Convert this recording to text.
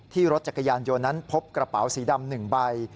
รถจักรยานยนต์นั้นพบกระเป๋าสีดำ๑ใบ